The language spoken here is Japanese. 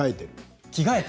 着替えて。